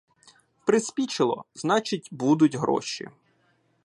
Приспічило — значить будуть гроші.